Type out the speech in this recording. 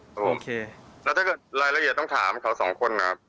โอเคแล้วถ้าเกิดรายละเอียดต้องถามเขาสองคนนะครับ